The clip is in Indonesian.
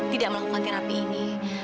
tidak melakukan terapi ini